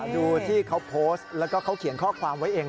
ดูที่เขาโพสต์แล้วก็เขาเขียนข้อความไว้เอง